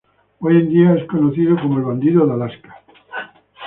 Hoy en día, es conocido como "El bandido de Alaska".